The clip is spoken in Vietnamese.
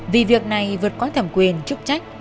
vì việc này vượt qua thẩm quyền trúc trách